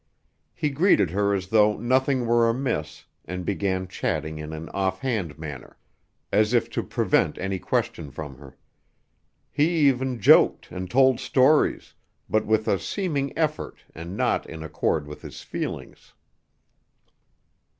He greeted her as though nothing was amiss, and began chatting in an offhand manner, as if to prevent any question from her. He even joked and told stories, but with a seeming effort and not in accord with his feelings.